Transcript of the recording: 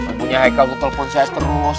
akunya haikal tuh telpon saya terus